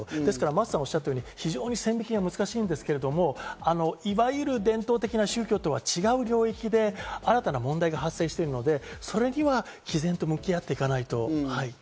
真麻さんがおっしゃったように非常に線引きが難しいんですけど、いわゆる伝統的な宗教とは違う領域で、新たな問題が発生しているので、それには毅然と向き合っていかなければいけない。